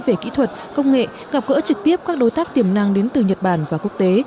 về kỹ thuật công nghệ gặp gỡ trực tiếp các đối tác tiềm năng đến từ nhật bản và quốc tế